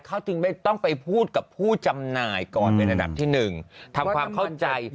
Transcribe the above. เขาจึงไม่ต้องไปพูดกับผู้จำหน่ายก่อนเป็นอันดับที่หนึ่งทำความเข้าใจ